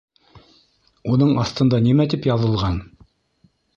Уның аҫтында нимә тип яҙылған?